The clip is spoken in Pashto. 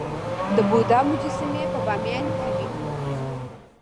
د بودا مجسمې په بامیان کې وې